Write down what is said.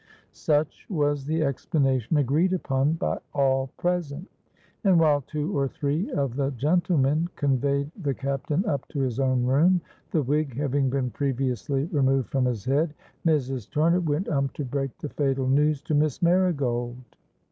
Such was the explanation agreed upon by all present; and while two or three of the gentlemen conveyed the Captain up to his own room, the wig having been previously removed from his head, Mrs. Turner went up to break the fatal news to Miss Marigold.